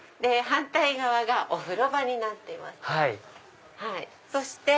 反対側がお風呂場になってました。